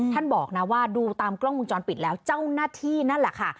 บอกนะว่าดูตามกล้องมุมจรปิดแล้วเจ้าหน้าที่นั่นแหละค่ะ